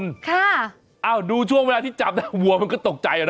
ค่ะอ้าวดูช่วงเวลาที่จับนะวัวมันก็ตกใจอ่ะนะ